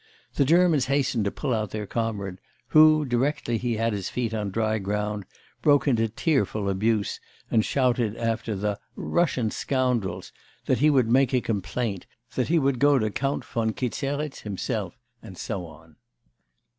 The Germans hastened to pull out their comrade, who, directly he had his feet on dry ground, broke into tearful abuse and shouted after the 'Russian scoundrels,' that he would make a complaint, that he would go to Count Von Kizerits himself, and so on.